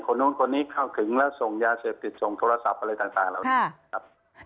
นู้นคนนี้เข้าถึงแล้วส่งยาเสพติดส่งโทรศัพท์อะไรต่างเหล่านี้ครับ